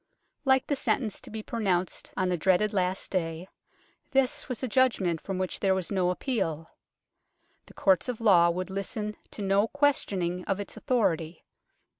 Like the sentence to be pronounced on the dreaded Last Day, this was a judgment from which there was no appeal. The courts of law would listen to no questioning of its authority.